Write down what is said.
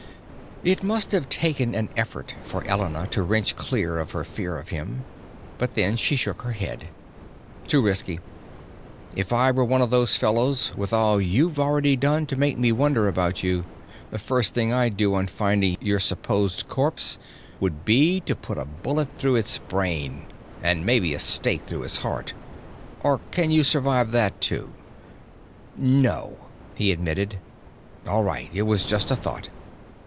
It must have taken an effort for Elena to wrench clear of her fear of him. But then she shook her head. "Too risky. If I were one of those fellows, with all you've already done to make me wonder about you, the first thing I'd do on finding your supposed corpse would be to put a bullet through its brain and maybe a stake through its heart. Or can you survive that too?" "No," he admitted. "All right, it was just a thought.